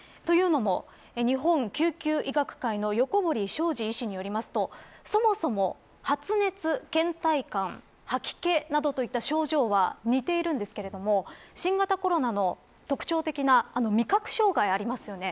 というのも、日本救急医学会の横堀医師によりますとそもそも、発熱、倦怠感吐き気などといった症状は似ているんですが新型コロナの特徴的な味覚障害、ありますよね。